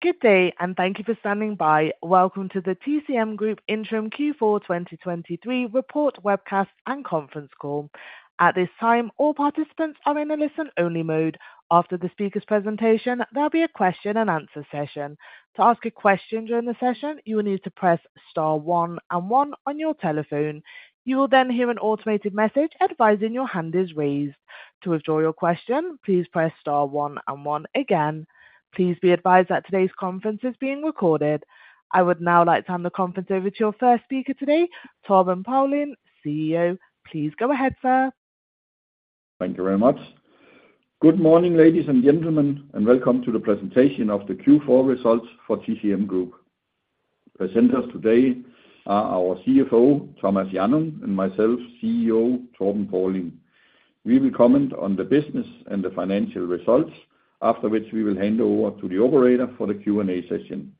Good day, and thank you for standing by. Welcome to the TCM Group Interim Q4 2023 report webcast and conference call. At this time, all participants are in a listen-only mode. After the speaker's presentation, there will be a question-and-answer session. To ask a question during the session, you will need to press star one and one on your telephone. You will then hear an automated message advising your hand is raised. To withdraw your question, please press star one and one again. Please be advised that today's conference is being recorded. I would now like to hand the conference over to your first speaker today, Torben Paulin, CEO. Please go ahead, sir. Thank you very much. Good morning, ladies and gentlemen, and welcome to the presentation of the Q4 results for TCM Group. Presenters today are our CFO, Thomas Hjannung, and myself, CEO Torben Paulin. We will comment on the business and the financial results, after which we will hand over to the operator for the Q&A session.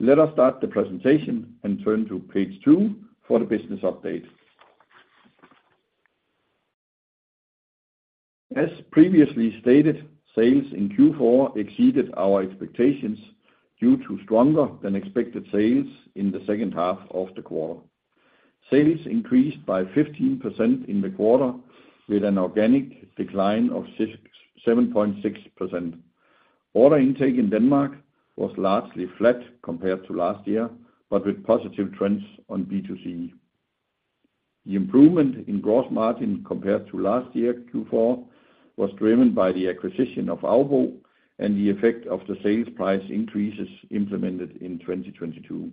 Let us start the presentation and turn to page 2 for the business update. As previously stated, sales in Q4 exceeded our expectations due to stronger-than-expected sales in the second half of the quarter. Sales increased by 15% in the quarter with an organic decline of 7.6%. Order intake in Denmark was largely flat compared to last year, but with positive trends on B2C. The improvement in gross margin compared to last year, Q4, was driven by the acquisition of Aubo and the effect of the sales price increases implemented in 2022.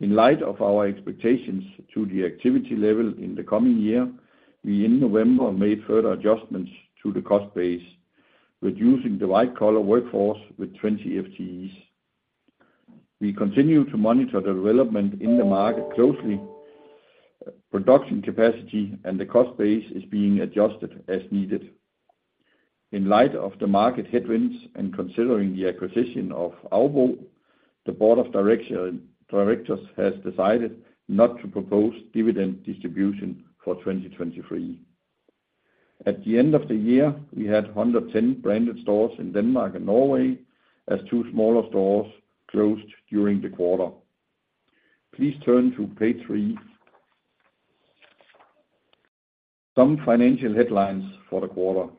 In light of our expectations to the activity level in the coming year, we in November made further adjustments to the cost base, reducing the white-collar workforce with 20 FTEs. We continue to monitor the development in the market closely. Production capacity and the cost base is being adjusted as needed. In light of the market headwinds and considering the acquisition of Aubo, the board of directors has decided not to propose dividend distribution for 2023. At the end of the year, we had 110 branded stores in Denmark and Norway, as two smaller stores closed during the quarter. Please turn to page 3. Some financial headlines for the quarter.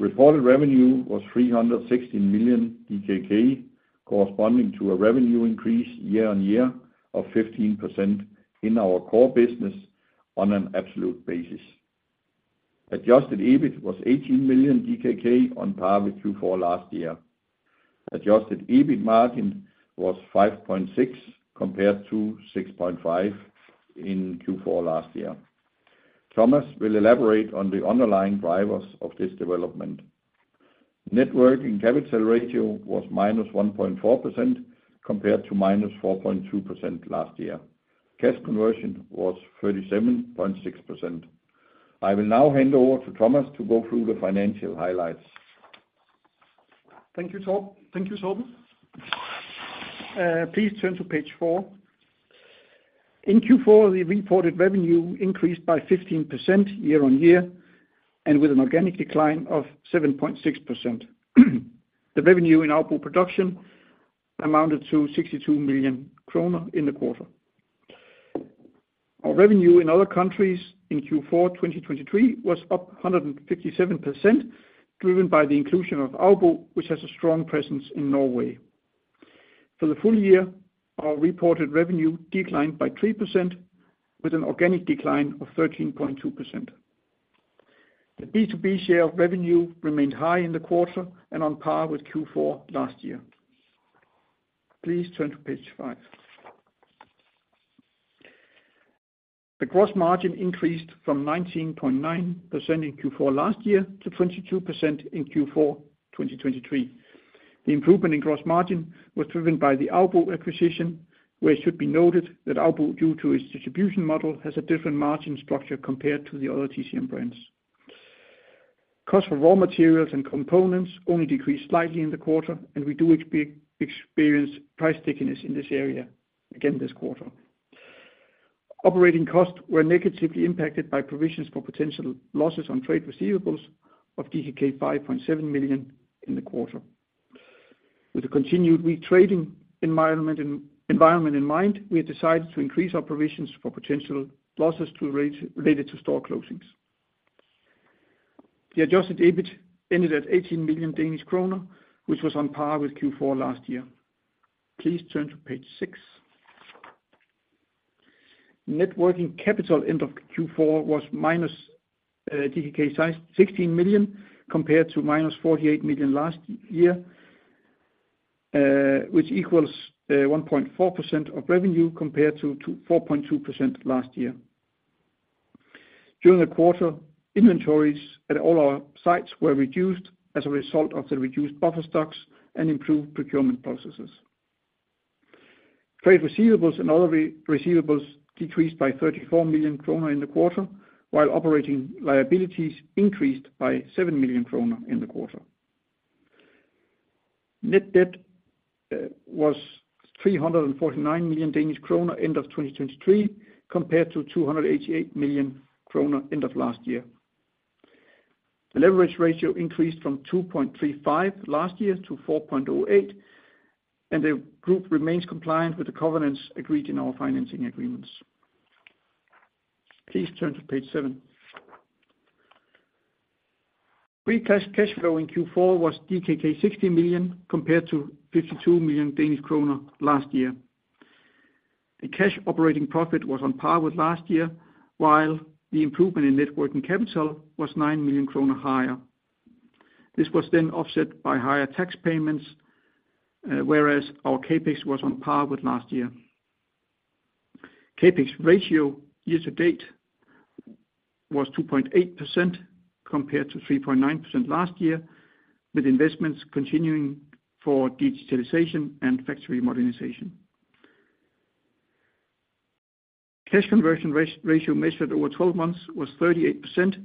Reported revenue was 316 million DKK, corresponding to a revenue increase year-on-year of 15% in our core business on an absolute basis. Adjusted EBIT was 18 million DKK on par with Q4 last year. Adjusted EBIT margin was 5.6% compared to 6.5% in Q4 last year. Thomas will elaborate on the underlying drivers of this development. Net working capital ratio was -1.4% compared to -4.2% last year. Cash conversion was 37.6%. I will now hand over to Thomas to go through the financial highlights. Thank you, Torben. Thank you, Torben. Please turn to page 4. In Q4, the reported revenue increased by 15% year-on-year and with an organic decline of 7.6%. The revenue in Aubo Production amounted to 62 million kroner in the quarter. Our revenue in other countries in Q4 2023 was up 157%, driven by the inclusion of Aubo, which has a strong presence in Norway. For the full year, our reported revenue declined by 3% with an organic decline of 13.2%. The B2B share of revenue remained high in the quarter and on par with Q4 last year. Please turn to page 5. The gross margin increased from 19.9% in Q4 last year to 22% in Q4 2023. The improvement in gross margin was driven by the Aubo acquisition, where it should be noted that Aubo, due to its distribution model, has a different margin structure compared to the other TCM brands. Costs for raw materials and components only decreased slightly in the quarter, and we do experience price stickiness in this area again this quarter. Operating costs were negatively impacted by provisions for potential losses on trade receivables of DKK 5.7 million in the quarter. With the continued weak trading environment in mind, we have decided to increase our provisions for potential losses related to store closings. The Adjusted EBIT ended at 18 million Danish kroner, which was on par with Q4 last year. Please turn to page 6. Net working capital end of Q4 was -16 million DKK compared to -48 million last year, which equals 1.4% of revenue compared to 4.2% last year. During the quarter, inventories at all our sites were reduced as a result of the reduced buffer stocks and improved procurement processes. Trade receivables and other receivables decreased by 34 million kroner in the quarter, while operating liabilities increased by 7 million kroner in the quarter. Net debt was 349 million Danish kroner end of 2023 compared to 288 million kroner end of last year. The leverage ratio increased from 2.35 last year to 4.08, and the group remains compliant with the covenants agreed in our financing agreements. Please turn to page 7. Free cash flow in Q4 was DKK 60 million compared to 52 million Danish kroner last year. The cash operating profit was on par with last year, while the improvement in net working capital was 9 million kroner higher. This was then offset by higher tax payments, whereas our CapEx was on par with last year. CapEx ratio year to date was 2.8% compared to 3.9% last year, with investments continuing for digitalization and factory modernization. Cash conversion ratio measured over 12 months was 38%.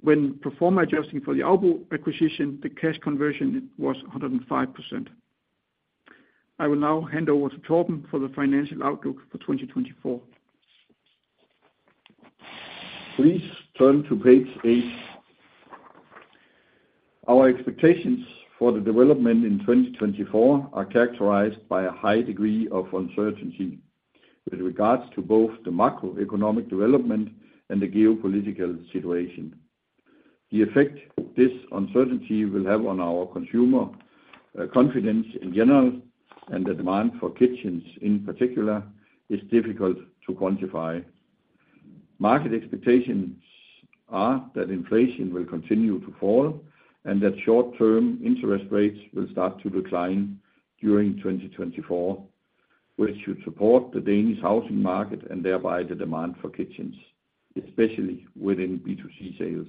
When performing adjusting for the Aubo acquisition, the cash conversion was 105%. I will now hand over to Torben for the financial outlook for 2024. Please turn to page 8. Our expectations for the development in 2024 are characterized by a high degree of uncertainty with regards to both the macroeconomic development and the geopolitical situation. The effect this uncertainty will have on our consumer confidence in general and the demand for kitchens in particular is difficult to quantify. Market expectations are that inflation will continue to fall and that short-term interest rates will start to decline during 2024, which should support the Danish housing market and thereby the demand for kitchens, especially within B2C sales.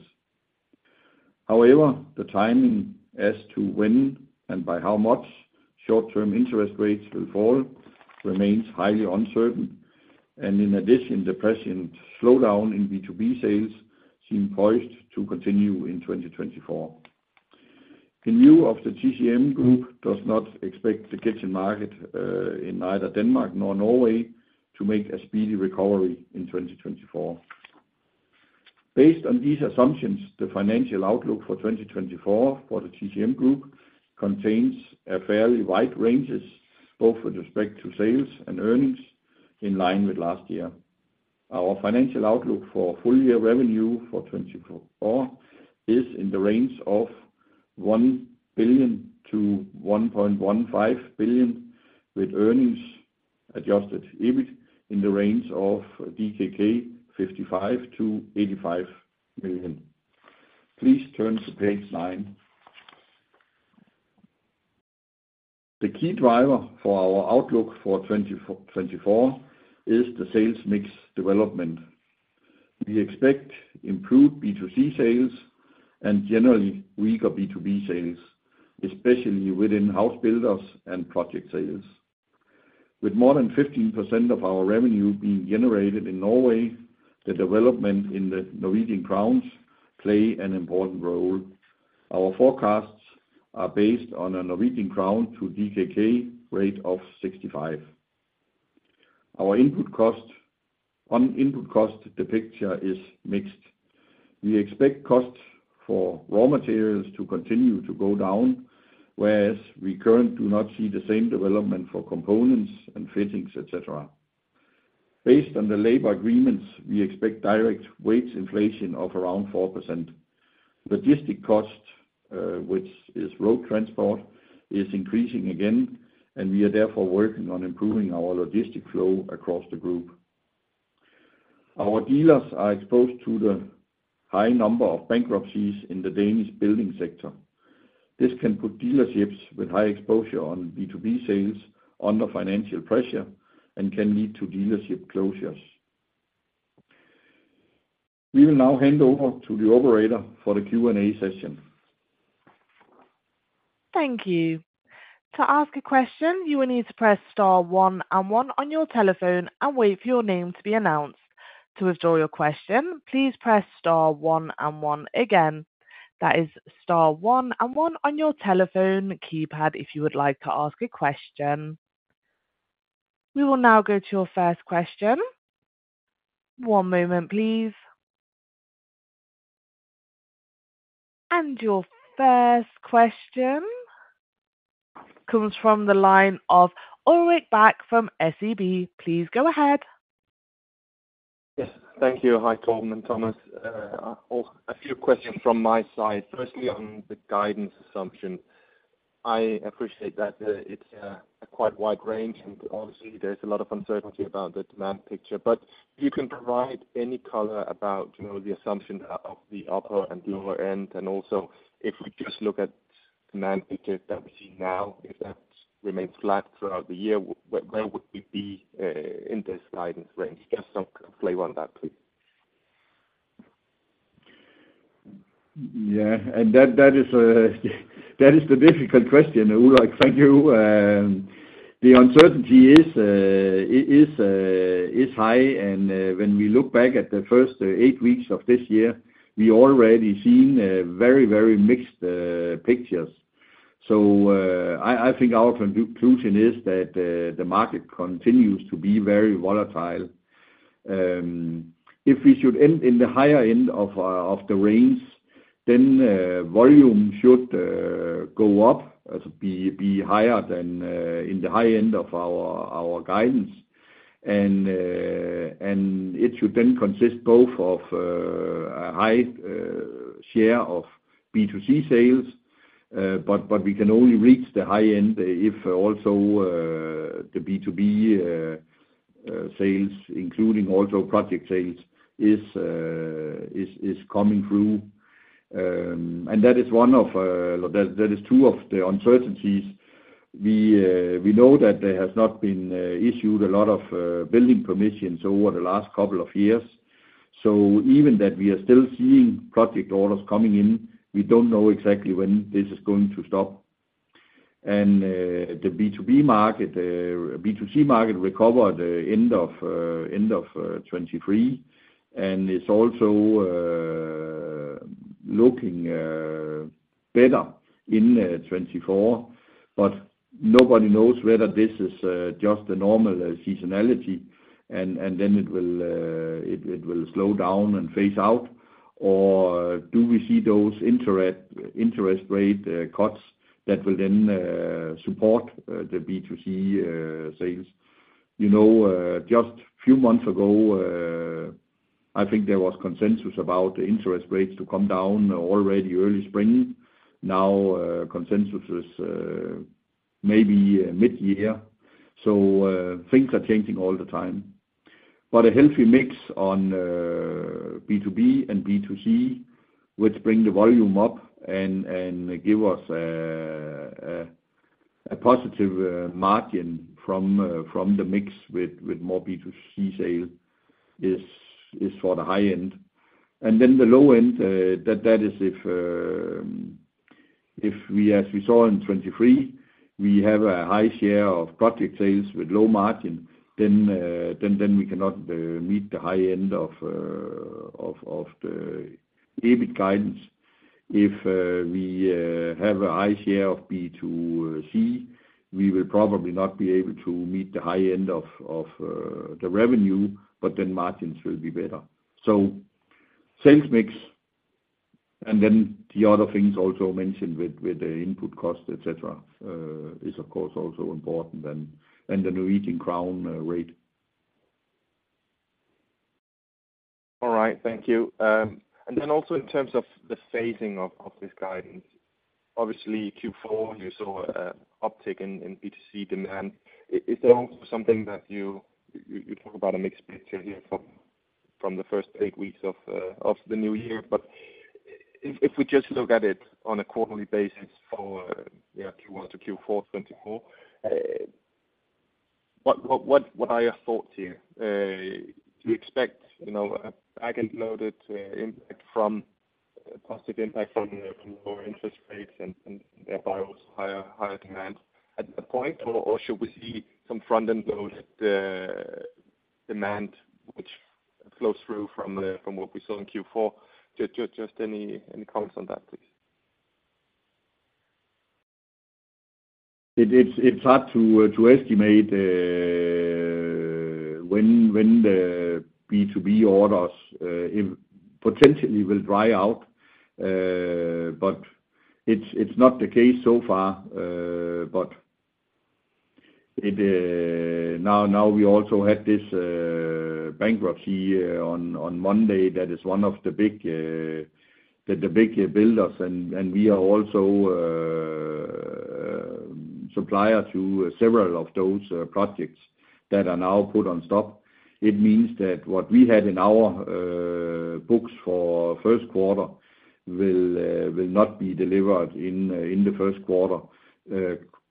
However, the timing as to when and by how much short-term interest rates will fall remains highly uncertain, and in addition, the present slowdown in B2B sales seems poised to continue in 2024. And, the TCM Group does not expect the kitchen market in neither Denmark nor Norway to make a speedy recovery in 2024. Based on these assumptions, the financial outlook for 2024 for the TCM Group contains fairly wide ranges both with respect to sales and earnings in line with last year. Our financial outlook for full-year revenue for 2024 is in the range of 1 billion-1.15 billion, with earnings adjusted EBIT in the range of 55-85 million DKK. Please turn to page 9. The key driver for our outlook for 2024 is the sales mix development. We expect improved B2C sales and generally weaker B2B sales, especially within house builders and project sales. With more than 15% of our revenue being generated in Norway, the development in the Norwegian krone plays an important role. Our forecasts are based on a Norwegian krone to DKK rate of 65. Our input cost development is mixed. We expect costs for raw materials to continue to go down, whereas we currently do not see the same development for components and fittings, etc. Based on the labor agreements, we expect direct wage inflation of around 4%. Logistics cost, which is road transport, is increasing again, and we are therefore working on improving our logistics flow across the group. Our dealers are exposed to the high number of bankruptcies in the Danish building sector. This can put dealerships with high exposure on B2B sales under financial pressure and can lead to dealership closures. We will now hand over to the operator for the Q&A session. Thank you. To ask a question, you will need to press star one and one on your telephone and wait for your name to be announced. To withdraw your question, please press star one and one again. That is star one and one on your telephone keypad if you would like to ask a question. We will now go to your first question. One moment, please. And your first question comes from the line of Ulrik Bak from SEB. Please go ahead. Yes. Thank you. Hi, Torben and Thomas. A few questions from my side. Firstly, on the guidance assumption, I appreciate that it's a quite wide range, and obviously, there's a lot of uncertainty about the demand picture. But if you can provide any color about the assumption of the upper and lower end, and also if we just look at the demand picture that we see now, if that remains flat throughout the year, where would we be in this guidance range? Just play on that, please. Yeah. And that is the difficult question, Ulrik. Thank you. The uncertainty is high, and when we look back at the first eight weeks of this year, we've already seen very, very mixed pictures. So I think our conclusion is that the market continues to be very volatile. If we should end in the higher end of the range, then volume should go up, be higher than in the high end of our guidance, and it should then consist both of a high share of B2C sales. But we can only reach the high end if also the B2B sales, including also project sales, is coming through. And that is one of, that is, two of the uncertainties. We know that there has not been issued a lot of building permissions over the last couple of years. So even that we are still seeing project orders coming in, we don't know exactly when this is going to stop. And the B2B market, B2C market recovered end of 2023 and is also looking better in 2024. But nobody knows whether this is just a normal seasonality and then it will slow down and phase out, or do we see those interest rate cuts that will then support the B2C sales? Just a few months ago, I think there was consensus about the interest rates to come down already early spring. Now, consensus is maybe mid-year. So things are changing all the time. But a healthy mix on B2B and B2C would bring the volume up and give us a positive margin from the mix with more B2C sale is for the high end. And then the low end, that is if we, as we saw in 2023, we have a high share of project sales with low margin, then we cannot meet the high end of the EBIT guidance. If we have a high share of B2C, we will probably not be able to meet the high end of the revenue, but then margins will be better. So sales mix, and then the other things also mentioned with the input cost, etc., is, of course, also important and the Norwegian krone rate. All right. Thank you. And then also in terms of the phasing of this guidance, obviously, Q4, you saw an uptick in B2C demand. Is there also something that you talk about a mixed picture here from the first eight weeks of the new year? But if we just look at it on a quarterly basis for Q1 to Q4 2024, what are your thoughts here? Do you expect back-and-loaded impact from positive impact from lower interest rates and thereby also higher demand at that point, or should we see some front-and-loaded demand which flows through from what we saw in Q4? Just any comments on that, please. It's hard to estimate when the B2B orders potentially will dry out, but it's not the case so far. But now we also had this bankruptcy on Monday that is one of the big builders, and we are also a supplier to several of those projects that are now put on stop. It means that what we had in our books for first quarter will not be delivered in the first quarter,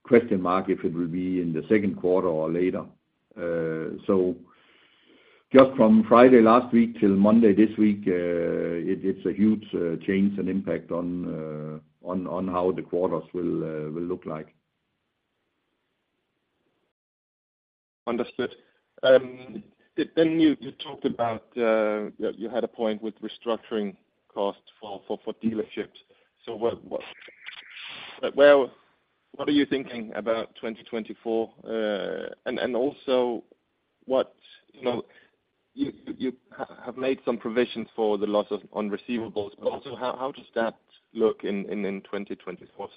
question mark, if it will be in the second quarter or later. So just from Friday last week till Monday this week, it's a huge change and impact on how the quarters will look like. Understood. Then you talked about you had a point with restructuring costs for dealerships. So what are you thinking about 2024? Also, what you have made some provisions for the loss on receivables, but also how does that look in 2024?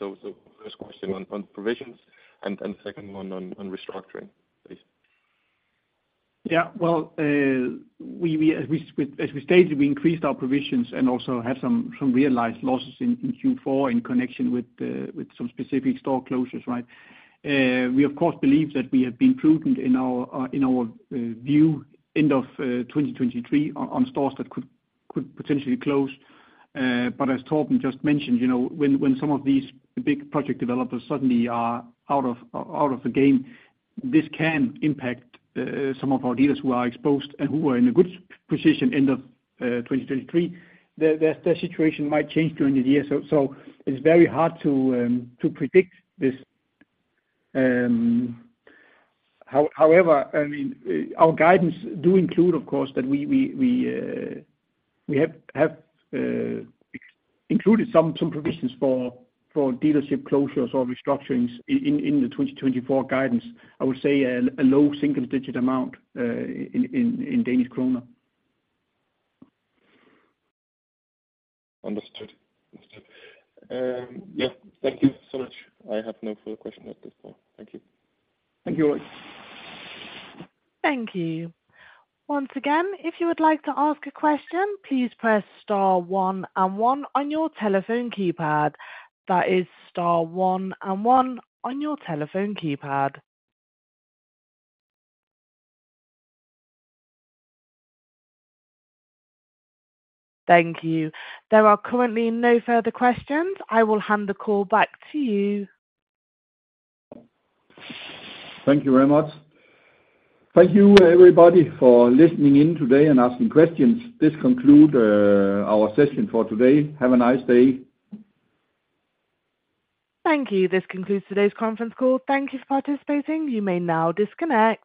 First question on provisions and second one on restructuring, please. Yeah. Well, as we stated, we increased our provisions and also had some realized losses in Q4 in connection with some specific store closures, right? We, of course, believe that we have been prudent in our view end of 2023 on stores that could potentially close. But as Torben just mentioned, when some of these big project developers suddenly are out of the game, this can impact some of our dealers who are exposed and who were in a good position end of 2023. Their situation might change during the year. So it's very hard to predict this. However, I mean, our guidance do include, of course, that we have included some provisions for dealership closures or restructurings in the 2024 guidance, I would say a low single-digit amount in Danish kroner. Understood. Understood. Yeah. Thank you so much. I have no further questions at this point. Thank you. Thank you, Ulrik. Thank you. Once again, if you would like to ask a question, please press star one and one on your telephone keypad. That is star one and one on your telephone keypad. Thank you. There are currently no further questions. I will hand the call back to you. Thank you very much. Thank you, everybody, for listening in today and asking questions. This concludes our session for today. Have a nice day. Thank you. This concludes today's conference call. Thank you for participating. You may now disconnect.